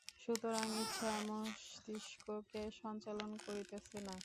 সুতরাং ইচ্ছা মস্তিষ্ককে সঞ্চালন করিতেছে না।